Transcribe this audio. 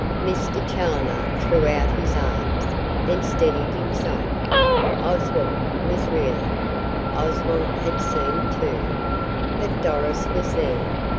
Mr. Challoner threw out his arms, then steadied himself. Oswald was reeling; Oswald had seen too. But Doris was there.